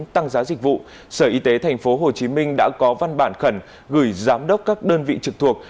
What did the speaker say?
tăng giá dịch vụ sở y tế tp hcm đã có văn bản khẩn gửi giám đốc các đơn vị trực thuộc